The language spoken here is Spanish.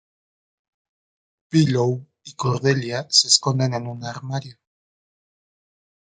Willow y Cordelia se esconden en un armario.